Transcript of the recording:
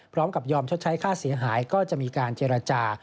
พร้อมกับยอมชดใช้ค่าเสียหายก็จะมีการเจรจา